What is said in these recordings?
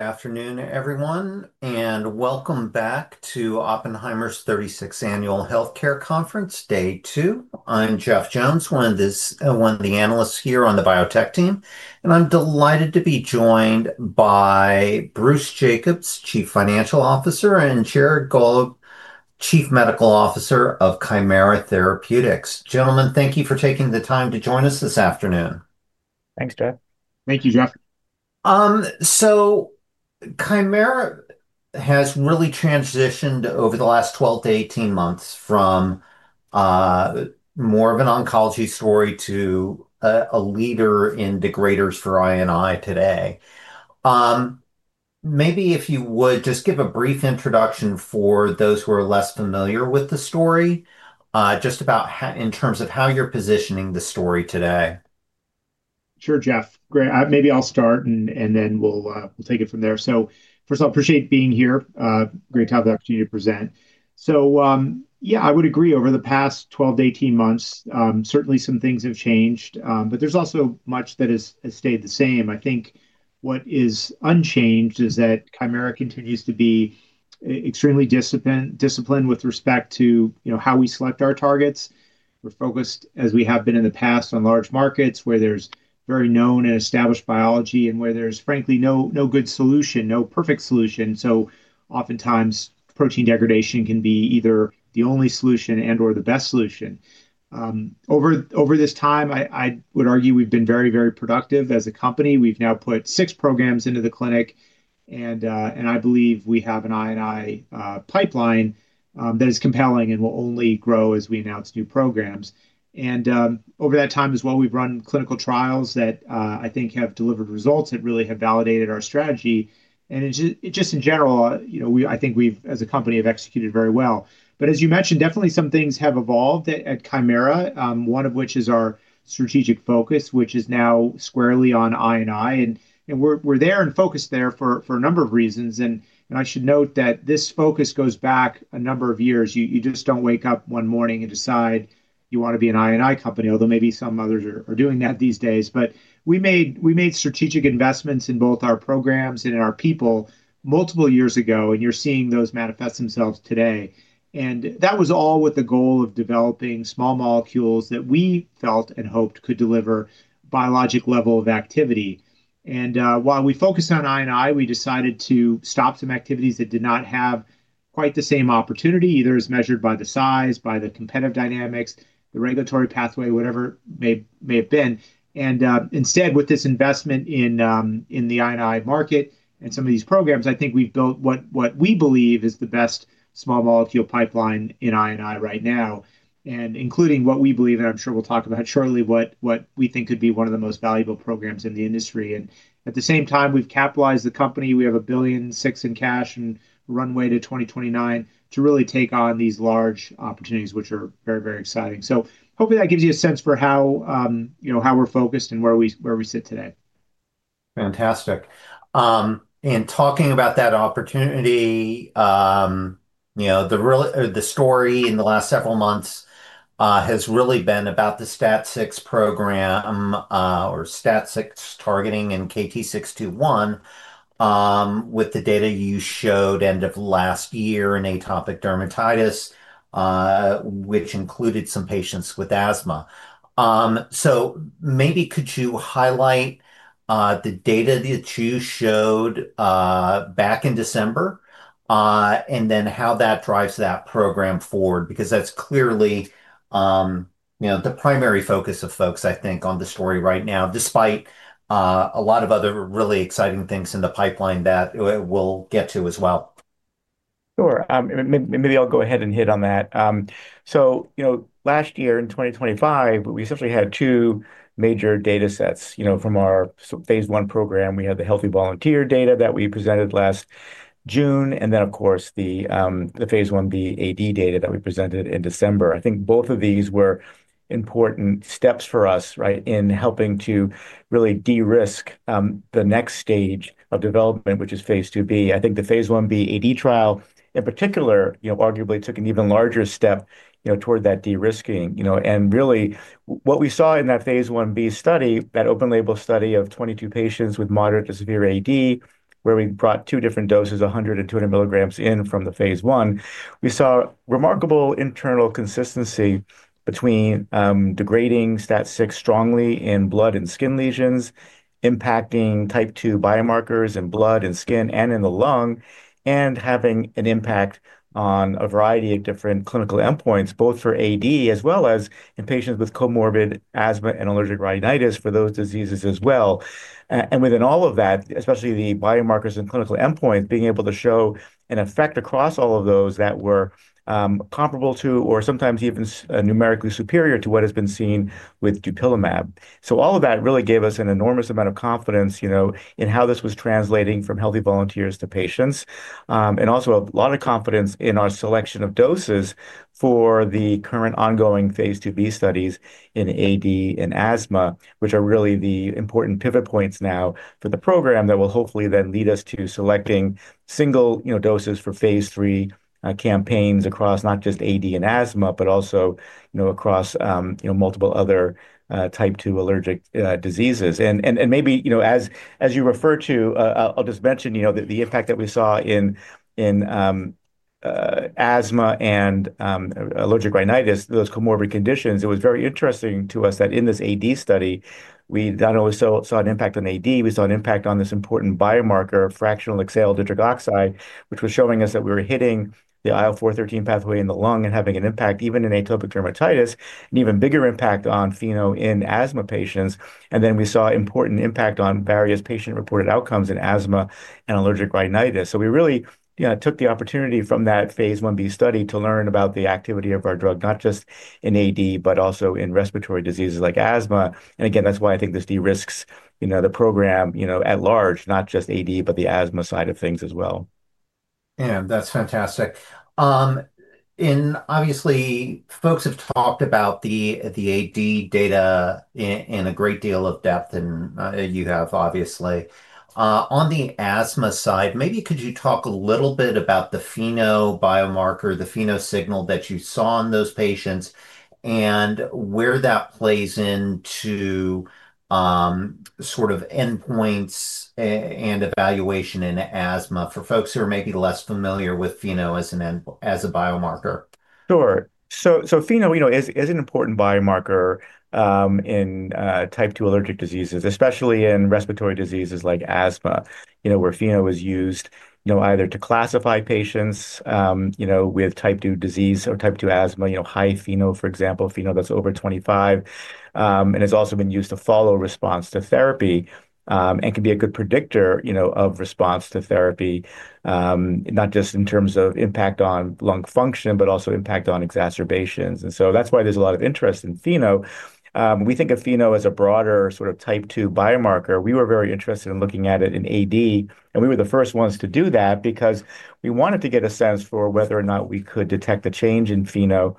Good afternoon, everyone, and welcome back to Oppenheimer's 36th Annual Healthcare Conference, day 2. I'm Jeff Jones, one of the analysts here on the biotech team, and I'm delighted to be joined by Bruce Jacobs, Chief Financial Officer, and Jared Gollob, Chief Medical Officer of Kymera Therapeutics. Gentlemen, thank you for taking the time to join us this afternoon. Thanks, Jeff. Thank you, Jeff. Kymera has really transitioned over the last 12 to 18 months from more of an oncology story to a leader in degraders for IMiD today. Maybe if you would just give a brief introduction for those who are less familiar with the story, just about in terms of how you're positioning the story today. Sure, Jeff. Great. Maybe I'll start, and then we'll take it from there. First of all, appreciate being here. Great to have the opportunity to present. Yeah, I would agree. Over the past 12 to 18 months, certainly some things have changed, but there's also much that has stayed the same. I think what is unchanged is that Kymera continues to be extremely disciplined with respect to, you know, how we select our targets. We're focused, as we have been in the past, on large markets, where there's very known and established biology, and where there's frankly, no good solution, no perfect solution. Oftentimes, protein degradation can be either the only solution and/or the best solution. Over this time, I would argue we've been very productive as a company. We've now put six programs into the clinic. I believe we have an IMiD pipeline that is compelling and will only grow as we announce new programs. Over that time as well, we've run clinical trials that I think have delivered results that really have validated our strategy. Just in general, you know, I think we've, as a company, have executed very well. As you mentioned, definitely some things have evolved at Kymera, one of which is our strategic focus, which is now squarely on IMiD. We're there and focused there for a number of reasons. I should note that this focus goes back a number of years. You just don't wake up one morning and decide you want to be an IMiD company, although maybe some others are doing that these days. We made strategic investments in both our programs and in our people multiple years ago, and you're seeing those manifest themselves today. That was all with the goal of developing small molecules that we felt and hoped could deliver biologic level of activity. While we focused on IMiD, we decided to stop some activities that did not have quite the same opportunity, either as measured by the size, by the competitive dynamics, the regulatory pathway, whatever may have been. Instead, with this investment in the IMiD market and some of these programs, I think we've built what we believe is the best small molecule pipeline in IMiD right now, including what we believe, and I'm sure we'll talk about shortly, what we think could be one of the most valuable programs in the industry. At the same time, we've capitalized the company. We have $1.6 billion in cash and runway to 2029 to really take on these large opportunities, which are very, very exciting. Hopefully that gives you a sense for how, you know, how we're focused and where we sit today. Fantastic. Talking about that opportunity, you know, the story in the last several months has really been about the STAT6 program or STAT6 targeting and KT-621 with the data you showed end of last year in atopic dermatitis, which included some patients with asthma. Maybe could you highlight the data that you showed back in December and then how that drives that program forward? That's clearly, you know, the primary focus of folks, I think, on the story right now, despite a lot of other really exciting things in the pipeline that we'll get to as well. Sure. Maybe I'll go ahead and hit on that. You know, last year in 2025, we essentially had two major data sets, you know, from our phase I program. We had the healthy volunteer data that we presented last June, and then, of course, the phase Ib AD data that we presented in December. I think both of these were important steps for us, right, in helping to really de-risk, the next stage of development, which is phase IIb. I think the phase Ib AD trial, in particular, you know, arguably took an even larger step, you know, toward that de-risking, you know. What we saw in that phase Ib study, that open label study of 22 patients with moderate to severe AD, where we brought two different doses, 100 and 200 milligrams in from the phase I. We saw remarkable internal consistency between degrading STAT6 strongly in blood and skin lesions, impacting Type two biomarkers in blood and skin and in the lung, and having an impact on a variety of different clinical endpoints, both for AD, as well as in patients with comorbid asthma and allergic rhinitis for those diseases as well. Within all of that, especially the biomarkers and clinical endpoints, being able to show an effect across all of those that were comparable to, or sometimes even numerically superior to what has been seen with dupilumab. All of that really gave us an enormous amount of confidence, you know, in how this was translating from healthy volunteers to patients. Also a lot of confidence in our selection of doses for the current ongoing phase IIb studies in AD and asthma, which are really the important pivot points now for the program that will hopefully then lead us to selecting single, you know, doses for phase III campaigns across not just AD and asthma, but also, you know, across, you know, multiple other Type two allergic diseases. Maybe, you know, as you refer to, I'll just mention, you know, the impact that we saw in. asthma and allergic rhinitis, those comorbid conditions, it was very interesting to us that in this AD study, we not only saw an impact on AD, we saw an impact on this important biomarker, fractional exhaled nitric oxide, which was showing us that we were hitting the IL-4/13 pathway in the lung and having an impact even in atopic dermatitis, an even bigger impact on FeNO in asthma patients. We saw important impact on various patient-reported outcomes in asthma and allergic rhinitis. We really, yeah, took the opportunity from that phase Ib study to learn about the activity of our drug, not just in AD, but also in respiratory diseases like asthma. That's why I think this de-risks, you know, the program, you know, at large, not just AD, but the asthma side of things as well. Yeah, that's fantastic. obviously, folks have talked about the AD data in a great deal of depth, and you have obviously. On the asthma side, maybe could you talk a little bit about the FeNO biomarker, the FeNO signal that you saw in those patients, and where that plays into, sort of endpoints and evaluation in asthma for folks who are maybe less familiar with FeNO as a biomarker? Sure. FeNO, you know, is an important biomarker in Type 2 allergic diseases, especially in respiratory diseases like asthma, you know, where FeNO is used, you know, either to classify patients, you know, with Type 2 disease or Type 2 asthma, you know, high FeNO, for example, FeNO that's over 25. It's also been used to follow response to therapy, and can be a good predictor, you know, of response to therapy, not just in terms of impact on lung function, but also impact on exacerbations. That's why there's a lot of interest in FeNO. We think of FeNO as a broader sort of Type 2 biomarker. We were very interested in looking at it in AD, we were the first ones to do that because we wanted to get a sense for whether or not we could detect a change in FeNO,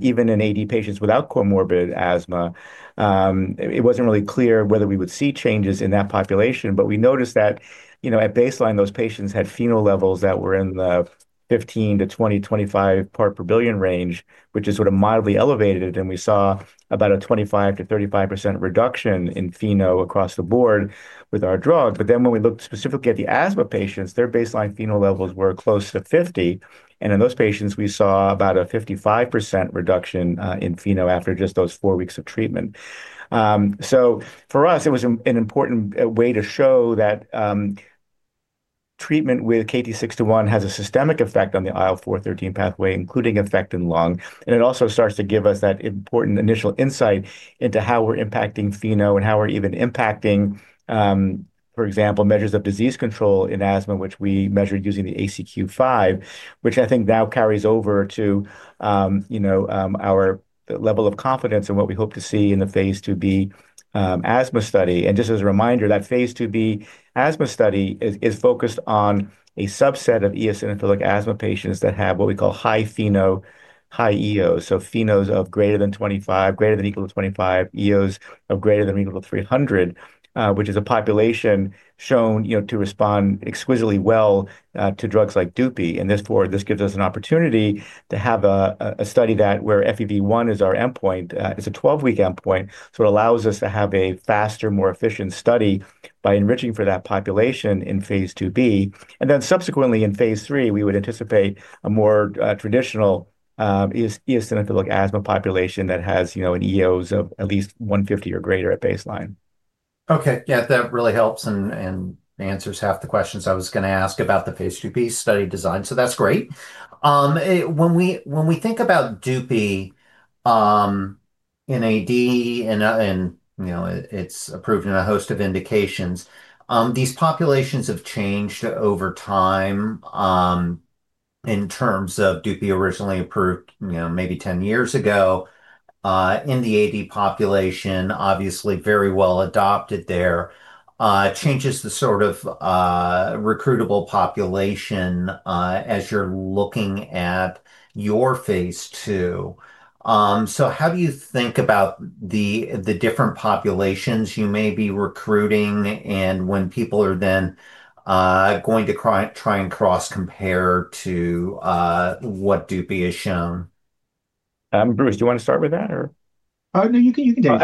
even in AD patients without comorbid asthma. It wasn't really clear whether we would see changes in that population, but we noticed that, you know, at baseline, those patients had FeNO levels that were in the 15 to 20, 25 part per billion range, which is sort of mildly elevated, and we saw about a 25%-35% reduction in FeNO across the board with our drug. When we looked specifically at the asthma patients, their baseline FeNO levels were close to 50, and in those patients, we saw about a 55% reduction in FeNO after just those four weeks of treatment. For us, it was an important way to show that treatment with KT-621 has a systemic effect on the IL-4/13 pathway, including effect in lung. It also starts to give us that important initial insight into how we're impacting FeNO and how we're even impacting, for example, measures of disease control in asthma, which we measured using the ACQ-5, which I think now carries over to, you know, the level of confidence in what we hope to see in the phase IIb asthma study. Just as a reminder, that phase IIb asthma study is focused on a subset of eosinophilic asthma patients that have what we call high FeNO, high eos. FeNOs of greater than 25, greater than equal to 25, eos of greater than or equal to 300, which is a population shown, you know, to respond exquisitely well, to drugs like Dupixent. This gives us an opportunity to have a study that where FEV1 is our endpoint. It's a 12-week endpoint, so it allows us to have a faster, more efficient study by enriching for that population in phase IIb. Subsequently, in phase III, we would anticipate a more traditional eosinophilic asthma population that has, you know, an eos of at least 150 or greater at baseline. Okay. Yeah, that really helps and answers half the questions I was gonna ask about the phase IIb study design, so that's great. When we think about Dupixent, in AD, and, you know, it's approved in a host of indications, these populations have changed over time, in terms of Dupixent originally approved, you know, maybe 10 years ago, in the AD population, obviously very well adopted there. Changes the sort of recruitable population, as you're looking at your phase II. How do you think about the different populations you may be recruiting, and when people are then going to try and cross-compare to what Dupixent has shown? Bruce, do you wanna start with that, or? No, you can go.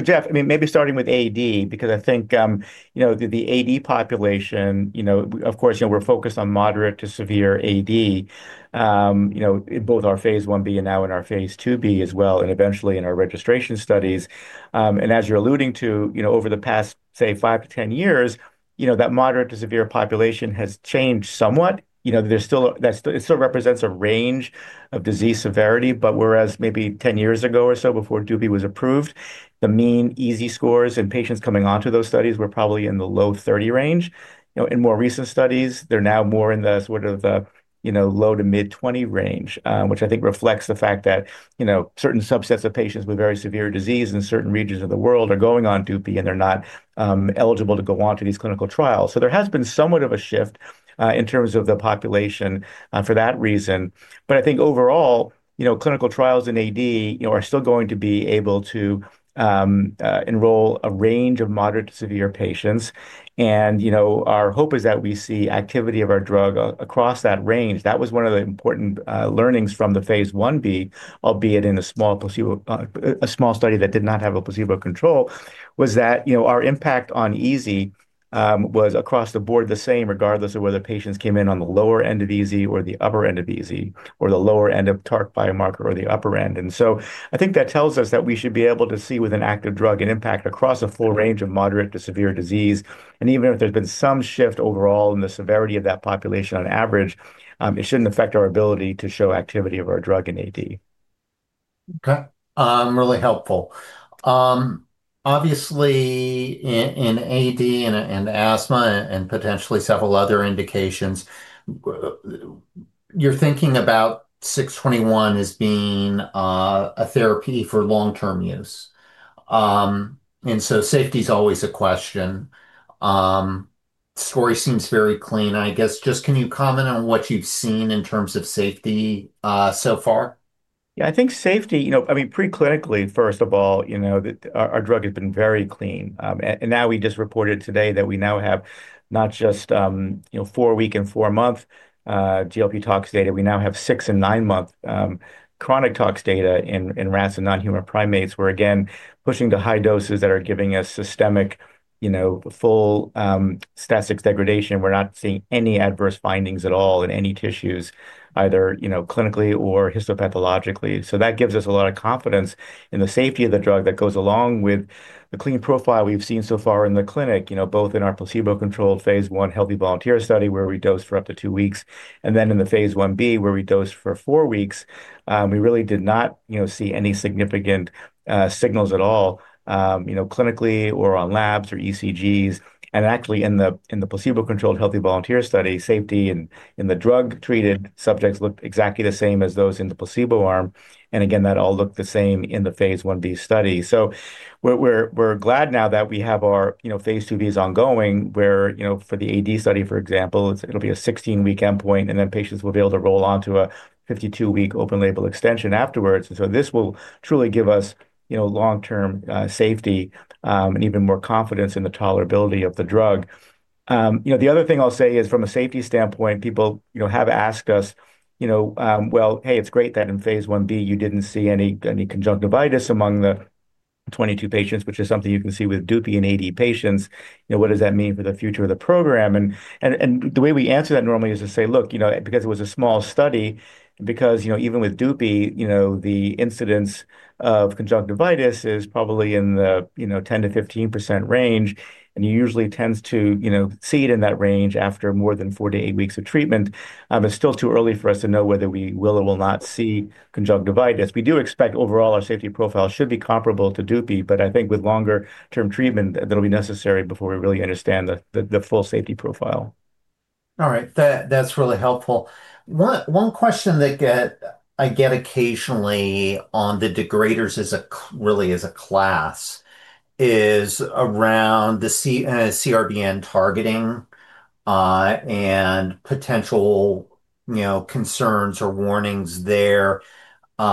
Jeff, I mean, maybe starting with AD, because I think, you know, the AD population, you know, of course, you know, we're focused on moderate to severe AD, you know, in both our phase Ib and now in our phase IIb as well, and eventually in our registration studies. As you're alluding to, you know, over the past, say, 5 to 10 years, you know, that moderate to severe population has changed somewhat. You know, it still represents a range of disease severity, but whereas maybe 10 years ago or so before Dupixent was approved, the mean EASI scores in patients coming onto those studies were probably in the low 30 range. You know, in more recent studies, they're now more in the sort of the, you know, low to mid-20 range, which I think reflects the fact that, you know, certain subsets of patients with very severe disease in certain regions of the world are going on Dupixent, and they're not eligible to go on to these clinical trials. There has been somewhat of a shift in terms of the population for that reason. I think overall, you know, clinical trials in AD, you know, are still going to be able to enroll a range of moderate to severe patients. Our hope is that we see activity of our drug across that range. That was one of the important learnings from the phase Ib, albeit in a small study that did not have a placebo control, was that, you know, our impact on EASI was across the board the same, regardless of whether patients came in on the lower end of EASI or the upper end of EASI, or the lower end of TARC biomarker or the upper end. I think that tells us that we should be able to see with an active drug, an impact across a full range of moderate to severe disease. Even if there's been some shift overall in the severity of that population on average, it shouldn't affect our ability to show activity of our drug in AD. Okay, really helpful. Obviously, in AD and asthma and potentially several other indications, you're thinking about 621 as being a therapy for long-term use. Safety is always a question. Story seems very clean. I guess just can you comment on what you've seen in terms of safety, so far? I think safety, you know, I mean, pre-clinically, first of all, you know, that our drug has been very clean. Now we just reported today that we now have not just, you know, 4-week and 4-month GLP tox data. We now have 6 and 9-month chronic tox data in rats and non-human primates, where, again, pushing to high doses that are giving us systemic, you know, full STAT6 degradation. We're not seeing any adverse findings at all in any tissues, either, you know, clinically or histopathologically. So that gives us a lot of confidence in the safety of the drug that goes along with the clean profile we've seen so far in the clinic. You know, both in our placebo-controlled phase I healthy volunteer study, where we dosed for up to 2 weeks, and then in the phase Ia, where we dosed for 4 weeks. We really did not, you know, see any significant signals at all, you know, clinically or on labs or ECGs. Actually, in the placebo-controlled healthy volunteer study, safety in the drug-treated subjects looked exactly the same as those in the placebo arm. Again, that all looked the same in the phase Ib study. We're glad now that we have our, you know, phase IIb is ongoing, where, you know, for the AD study, for example, it'll be a 16-week endpoint, and then patients will be able to roll on to a 52-week open-label extension afterwards. This will truly give us, you know, long-term safety and even more confidence in the tolerability of the drug. You know, the other thing I'll say is, from a safety standpoint, people, you know, have asked us, you know: "Well, hey, it's great that in phase Ib you didn't see any conjunctivitis among the 22 patients, which is something you can see with Dupixent and AD patients. You know, what does that mean for the future of the program?" The way we answer that normally is to say, "Look, you know, because it was a small study, because, you know, even with Dupixent, you know, the incidence of conjunctivitis is probably in the, you know, 10%-15% range, and it usually tends to, you know, see it in that range after more than 4-8 weeks of treatment. It's still too early for us to know whether we will or will not see conjunctivitis." We do expect, overall, our safety profile should be comparable to Dupixent, I think with longer-term treatment, that'll be necessary before we really understand the full safety profile. All right. That's really helpful. One question that I get occasionally on the degraders really as a class, is around the CRBN targeting, and potential, you know, concerns or warnings there, you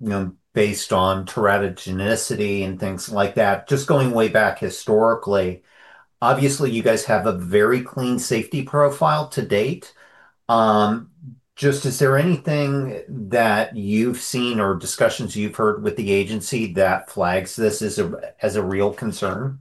know, based on teratogenicity and things like that. Just going way back historically, obviously, you guys have a very clean safety profile to date. Just is there anything that you've seen or discussions you've heard with the agency that flags this as a, as a real concern?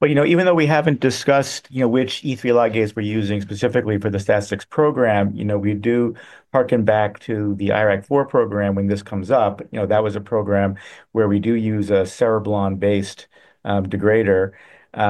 Well, you know, even though we haven't discussed, you know, which E3 ligase we're using specifically for the STAT6 program, you know, we do harken back to the IRAK4 program when this comes up. You know, that was a program where we do use a cereblon-based degrader. You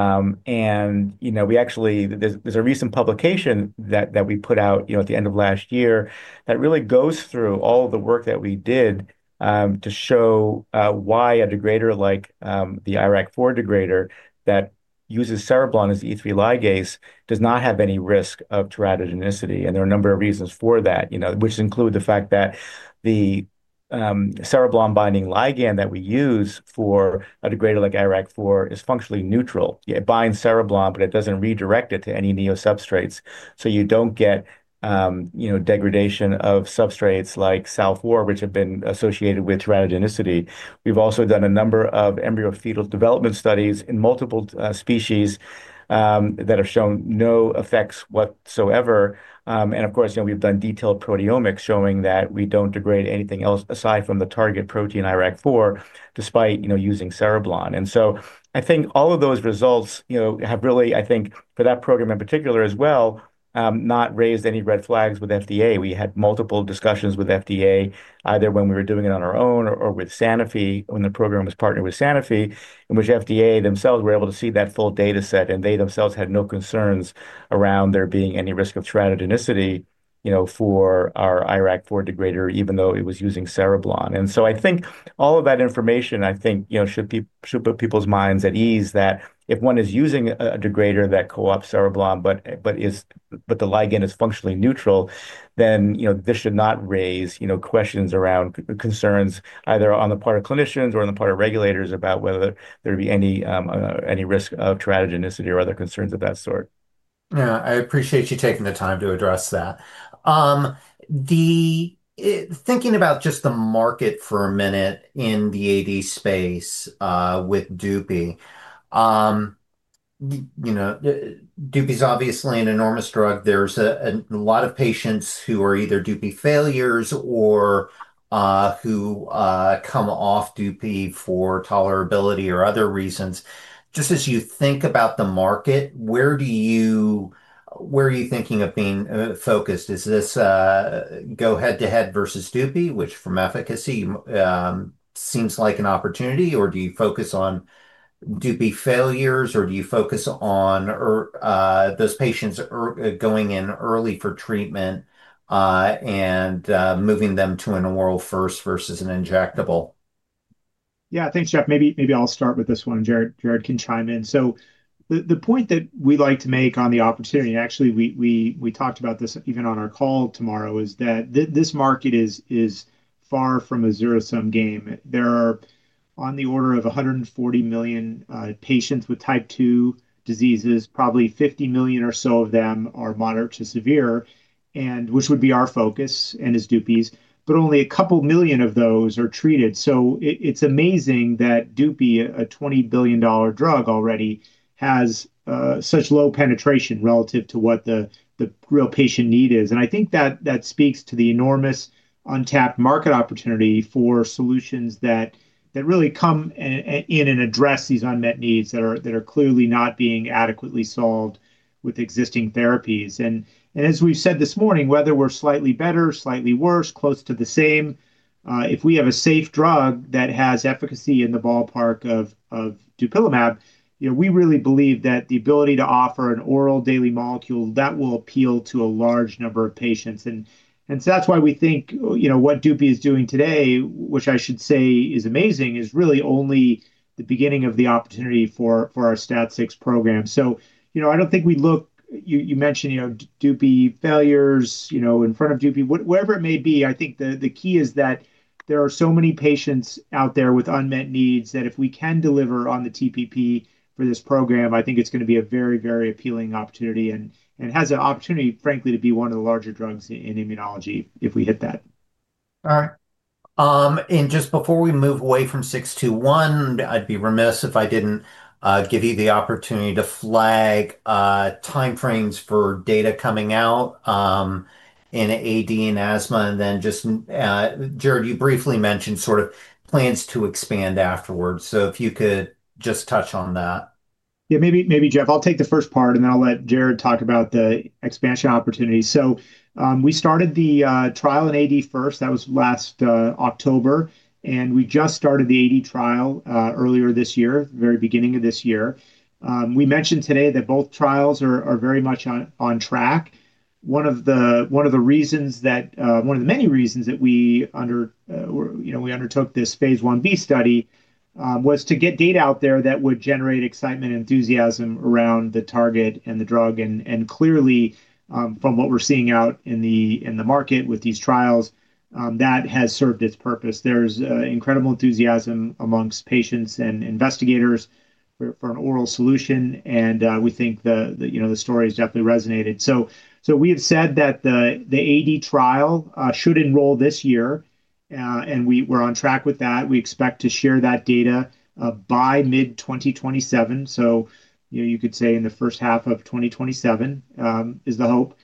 know, there's a recent publication that we put out, you know, at the end of last year, that really goes through all the work that we did to show why a degrader like the IRAK4 degrader that uses cereblon as E3 ligase does not have any risk of teratogenicity. There are a number of reasons for that, you know, which include the fact that the cereblon binding ligand that we use for a degrader like IRAK4 is functionally neutral. It binds cereblon, but it doesn't redirect it to any neosubstrates. You don't get, you know, degradation of substrates like SALL4, which have been associated with teratogenicity. We've also done a number of embryo-fetal development studies in multiple species, that have shown no effects whatsoever. Of course, you know, we've done detailed proteomics showing that we don't degrade anything else aside from the target protein, IRAK4, despite, you know, using cereblon. I think all of those results, you know, have really, I think, for that program in particular as well, not raised any red flags with FDA. We had multiple discussions with FDA, either when we were doing it on our own or with Sanofi, when the program was partnered with Sanofi, in which FDA themselves were able to see that full data set, and they themselves had no concerns around there being any risk of teratogenicity, you know, for our IRAK4 degrader, even though it was using cereblon. I think all of that information, I think, you know, should put people's minds at ease, that if one is using a degrader that co-ops cereblon, but the ligand is functionally neutral, you know, this should not raise, you know, questions around concerns, either on the part of clinicians or on the part of regulators, about whether there'd be any any risk of teratogenicity or other concerns of that sort. Yeah, I appreciate you taking the time to address that. Thinking about just the market for a minute in the AD space, with Dupixent. ... you know, Dupixent is obviously an enormous drug. There's a lot of patients who are either Dupixent failures or who come off Dupixent for tolerability or other reasons. Just as you think about the market, where are you thinking of being focused? Is this go head-to-head versus Dupixent, which from efficacy seems like an opportunity? Or do you focus on Dupixent failures, or do you focus on those patients going in early for treatment and moving them to an oral first versus an injectable? Yeah. Thanks, Jeff. Maybe I'll start with this one, and Jared can chime in. The point that we like to make on the opportunity, and actually, we talked about this even on our call tomorrow, is that this market is far from a zero-sum game. There are on the order of 140 million patients with Type 2 diseases, probably 50 million or so of them are moderate to severe, and which would be our focus and is Dupixent. Only a couple million of those are treated, it's amazing that Dupixent, a $20 billion drug already, has such low penetration relative to what the real patient need is. I think that speaks to the enormous untapped market opportunity for solutions that really come in and address these unmet needs that are clearly not being adequately solved with existing therapies. As we've said this morning, whether we're slightly better, slightly worse, close to the same, if we have a safe drug that has efficacy in the ballpark of dupilumab, you know, we really believe that the ability to offer an oral daily molecule, that will appeal to a large number of patients. That's why we think, you know, what Dupixent is doing today, which I should say is amazing, is really only the beginning of the opportunity for our STAT6 program. You know, I don't think we'd look... You mentioned, you know, Dupixent failures, in front of Dupixent. Wherever it may be, I think the key is that there are so many patients out there with unmet needs, that if we can deliver on the TPP for this program, I think it's gonna be a very, very appealing opportunity. It has an opportunity, frankly, to be one of the larger drugs in immunology if we hit that. All right. Just before we move away from 621, I'd be remiss if I didn't give you the opportunity to flag timeframes for data coming out in AD and asthma, then just Jared, you briefly mentioned sort of plans to expand afterwards. If you could just touch on that. Yeah, maybe, Jeff, I'll take the first part, then I'll let Jared talk about the expansion opportunity. We started the trial in AD first, that was last October, we just started the AD trial earlier this year, very beginning of this year. We mentioned today that both trials are very much on track. one of the many reasons that we, you know, we undertook this phase Ib study was to get data out there that would generate excitement and enthusiasm around the target and the drug. Clearly, from what we're seeing out in the market with these trials, that has served its purpose. There's incredible enthusiasm amongst patients and investigators for an oral solution, we think the, you know, the story has definitely resonated. We have said that the AD trial should enroll this year, and we're on track with that. We expect to share that data by mid 2027, so, you know, you could say in the first half of 2027, is the hope.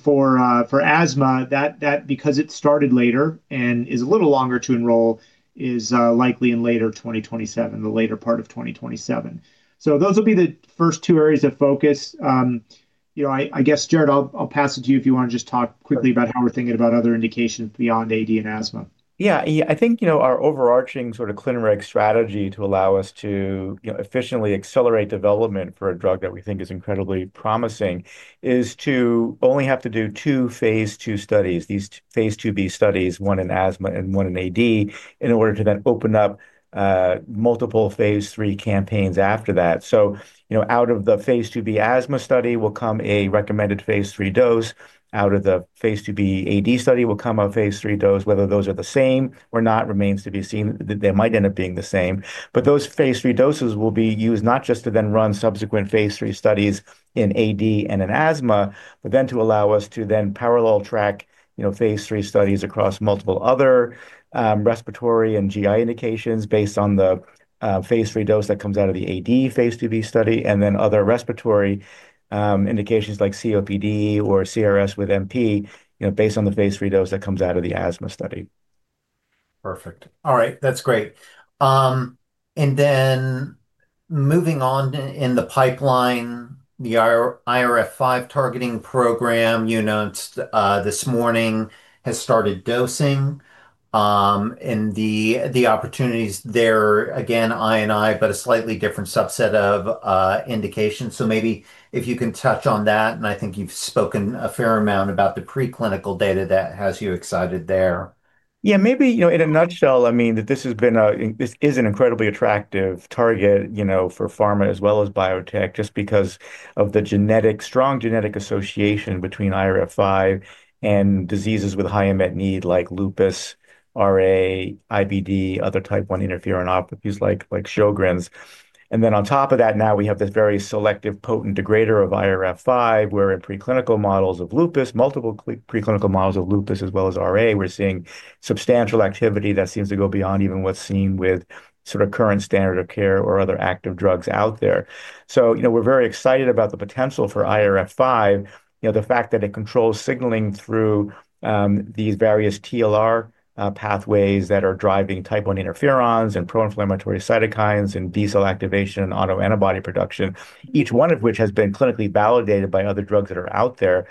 For asthma, that because it started later and is a little longer to enroll, is likely in later 2027, the later part of 2027. Those will be the first two areas of focus. You know, I guess, Jared, I'll pass it to you if you want to just talk quickly about how we're thinking about other indications beyond AD and asthma. Yeah. Yeah, I think, you know, our overarching sort of clin reg strategy to allow us to, you know, efficiently accelerate development for a drug that we think is incredibly promising is to only have to do 2 phase II studies, these phase IIb studies, one in asthma and one in AD, in order to then open up multiple phase III campaigns after that. You know, out of the phase IIb asthma study will come a recommended phase III dose. Out of the phase IIb AD study will come a phase III dose. Whether those are the same or not remains to be seen, they might end up being the same. Those phase III doses will be used not just to then run subsequent phase III studies in AD and in asthma, but then to allow us to then parallel track, you know, phase III studies across multiple other respiratory and GI indications based on the phase III dose that comes out of the AD phase IIb study, and then other respiratory indications like COPD or CRSwNP, you know, based on the phase III dose that comes out of the asthma study. Perfect. All right, that's great. Moving on in the pipeline, the IRF5 targeting program, you announced this morning, has started dosing. The opportunities there, again, I, but a slightly different subset of indications. Maybe if you can touch on that, and I think you've spoken a fair amount about the preclinical data that has you excited there. Yeah, maybe, you know, in a nutshell, I mean, this is an incredibly attractive target, you know, for pharma as well as biotech, just because of the strong genetic association between IRF5 and diseases with high unmet need, like lupus, RA, IBD, other type one interferonopathies like Sjögren's. On top of that, now we have this very selective, potent degrader of IRF5, where in preclinical models of lupus, multiple preclinical models of lupus, as well as RA, we're seeing substantial activity that seems to go beyond even what's seen with sort of current standard of care or other active drugs out there. You know, we're very excited about the potential for IRF5, you know, the fact that it controls signaling through these various TLR pathways that are driving type I interferons and pro-inflammatory cytokines and B cell activation and autoantibody production, each 1 of which has been clinically validated by other drugs that are out there.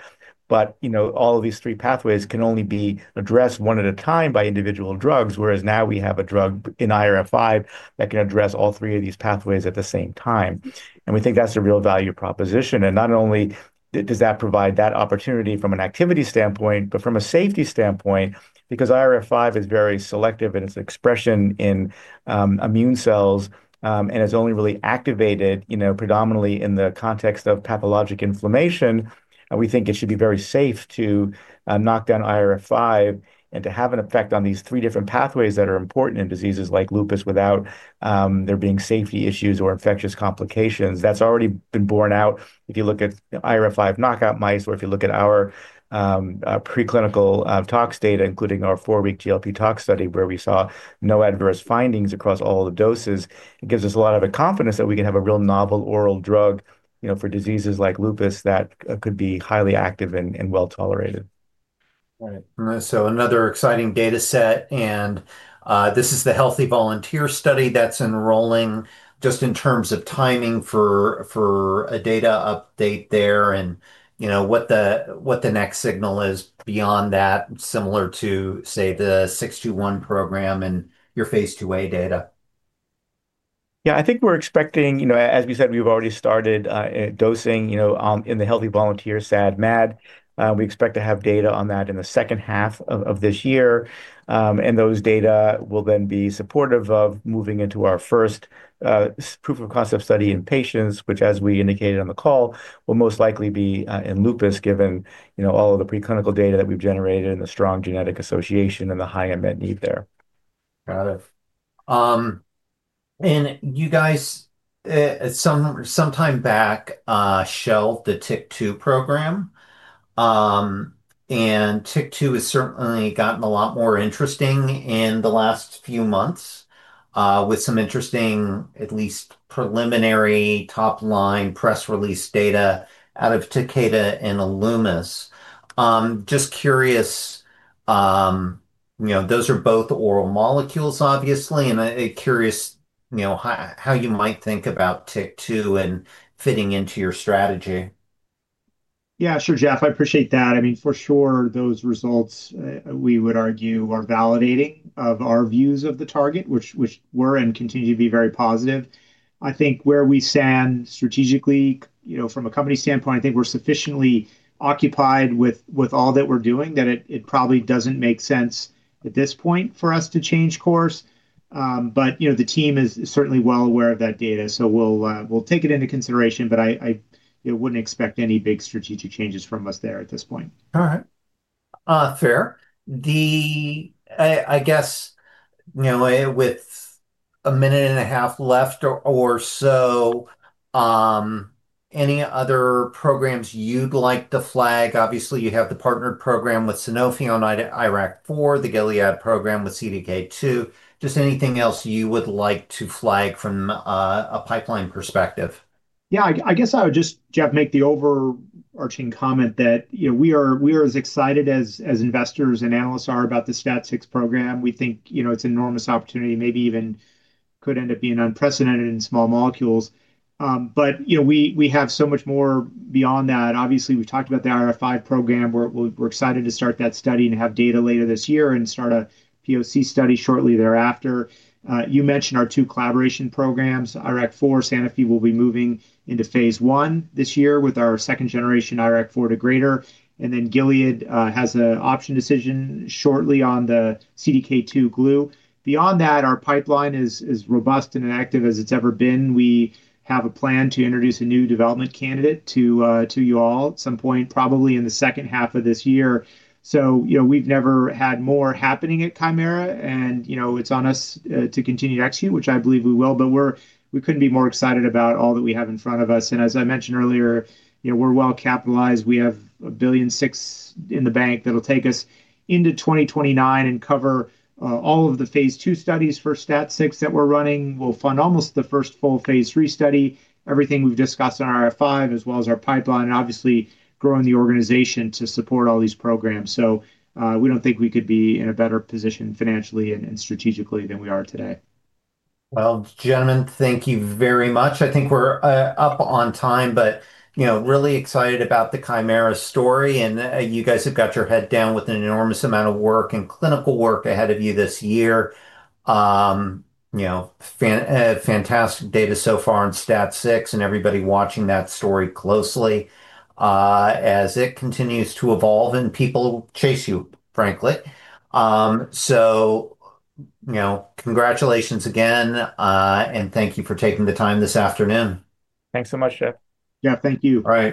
You know, all of these 3 pathways can only be addressed 1 at a time by individual drugs, whereas now we have a drug in IRF5 that can address all 3 of these pathways at the same time, and we think that's a real value proposition. Not only does that provide that opportunity from an activity standpoint, but from a safety standpoint, because IRF5 is very selective in its expression in immune cells and is only really activated, you know, predominantly in the context of pathologic inflammation. We think it should be very safe to knock down IRF5 and to have an effect on these three different pathways that are important in diseases like lupus without there being safety issues or infectious complications. That's already been borne out. If you look at IRF5 knockout mice, or if you look at our preclinical tox data, including our four-week GLP tox study, where we saw no adverse findings across all the doses, it gives us a lot of the confidence that we can have a real novel oral drug, you know, for diseases like lupus that could be highly active and well-tolerated. Right. Another exciting data set, and this is the healthy volunteer study that's enrolling, just in terms of timing for a data update there and, you know, what the, what the next signal is beyond that, similar to, say, the 621 program and your phase IIa data. I think we're expecting you know, as we said, we've already started dosing, you know, in the healthy volunteer SAD/MAD. We expect to have data on that in the second half of this year, those data will then be supportive of moving into our first proof of concept study in patients, which, as we indicated on the call, will most likely be in lupus, given, you know, all of the preclinical data that we've generated and the strong genetic association and the high unmet need there. Got it. You guys, at some time back, shelved the TYK2 program. TYK2 has certainly gotten a lot more interesting in the last few months, with some interesting, at least preliminary, top-line press release data out of Takeda and Alumis. Just curious, you know, those are both oral molecules, obviously, and curious, you know, how you might think about TYK2 and fitting into your strategy. Yeah, sure, Jeff, I appreciate that. I mean, for sure, those results, we would argue, are validating of our views of the target which were and continue to be very positive. I think where we stand strategically, you know, from a company standpoint, I think we're sufficiently occupied with all that we're doing, that it probably doesn't make sense at this point for us to change course. You know, the team is certainly well aware of that data, so we'll take it into consideration. I wouldn't expect any big strategic changes from us there at this point. All right. Fair. I guess, you know, with a minute and a half left or so, any other programs you'd like to flag? Obviously, you have the partnered program with Sanofi on IRAK4, the Gilead program with CDK2. Just anything else you would like to flag from a pipeline perspective? Yeah, I guess I would just, Jeff, make the overarching comment that, you know, we are as excited as investors and analysts are about the STAT6 program. We think, you know, it's an enormous opportunity, maybe even could end up being unprecedented in small molecules. You know, we have so much more beyond that. Obviously, we talked about the IRF5 program, where we're excited to start that study and have data later this year and start a POC study shortly thereafter. You mentioned our two collaboration programs, IRAK4. Sanofi will be moving into phase I this year with our second-generation IRAK4 degrader. Gilead has an option decision shortly on the CDK2 glue. Beyond that, our pipeline is robust and active as it's ever been. We have a plan to introduce a new development candidate to you all at some point, probably in the 2nd half of this year. You know, we've never had more happening at Kymera, and, you know, it's on us to continue to execute, which I believe we will. We couldn't be more excited about all that we have in front of us. As I mentioned earlier, you know, we're well capitalized. We have $1.6 billion in the bank. That'll take us into 2029 and cover all of the phase II studies for STAT6 that we're running, will fund almost the 1st full phase III study, everything we've discussed on IRF5, as well as our pipeline, and obviously growing the organization to support all these programs. We don't think we could be in a better position financially and strategically than we are today. Well, gentlemen, thank you very much. I think we're up on time, you know, really excited about the Kymera story, and you guys have got your head down with an enormous amount of work and clinical work ahead of you this year. You know, fantastic data so far on STAT6, and everybody watching that story closely, as it continues to evolve, and people chase you, frankly. You know, congratulations again, and thank you for taking the time this afternoon. Thanks so much, Jeff. Yeah, thank you. All right.